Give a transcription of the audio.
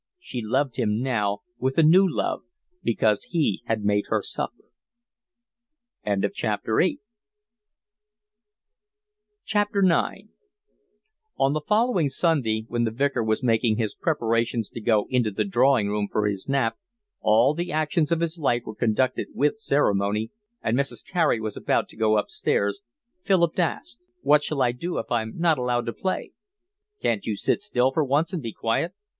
She loved him now with a new love because he had made her suffer. IX On the following Sunday, when the Vicar was making his preparations to go into the drawing room for his nap—all the actions of his life were conducted with ceremony—and Mrs. Carey was about to go upstairs, Philip asked: "What shall I do if I'm not allowed to play?" "Can't you sit still for once and be quiet?"